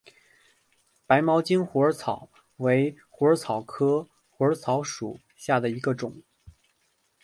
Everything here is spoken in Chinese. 白毛茎虎耳草为虎耳草科虎耳草属下的一个种。